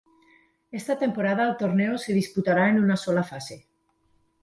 Esta temporada el torneo se disputará en una sola fase.